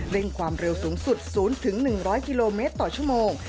ความเร็วสูงสุด๐๑๐๐กิโลเมตรต่อชั่วโมง